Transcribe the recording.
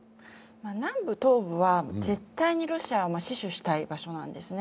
南部・東部は絶対にロシアが死守したいところなんですね。